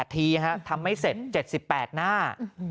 ทีทำไม่เสร็จ๗๘หน้า